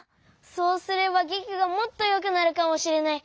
そうすればげきがもっとよくなるかもしれない。